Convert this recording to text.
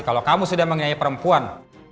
kalau kamu sudah mengayai perempuan